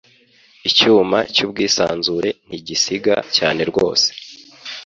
Icyuma cyubwisanzure ntigisiga cyane rwose